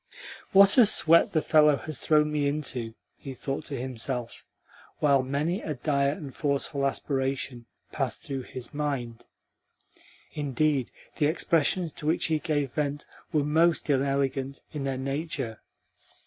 "What a sweat the fellow has thrown me into!" he thought to himself, while many a dire and forceful aspiration passed through his mind. Indeed, the expressions to which he gave vent were most inelegant in their nature.